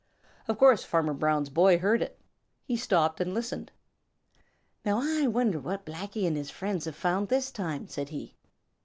Of course Farmer Brown's boy heard it. He stopped and listened. "Now I wonder what Blacky and his friends have found this time," said he.